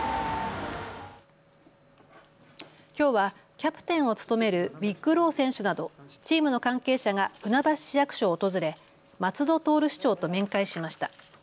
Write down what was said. きょうはキャプテンを務めるヴィック・ロー選手などチームの関係者が船橋市役所を訪れ松戸徹市長と面会しました。